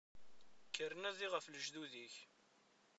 Kker nadi ɣef lejdud-ik.